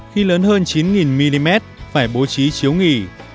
khi lớn hơn chín mm phải bố trí chiếu nghỉ